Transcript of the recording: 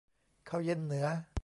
ข้าวเย็นเหนือ